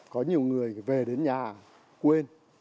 có nhiều người về đến nhà quên